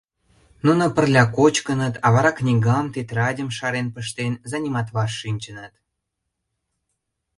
Нуно пырля кочкыныт, а вара книгам, тетрадьым шарен пыштен, заниматлаш шинчыныт.